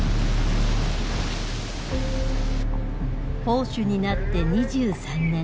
砲手になって２３年。